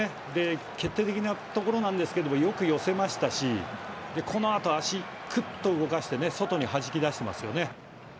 決定的なところですがよく寄せましたしこのあと、足をくっと動かして外にはじき出していますよね。